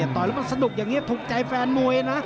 ต่อยแล้วมันสนุกอย่างนี้ถูกใจแฟนมวยนะ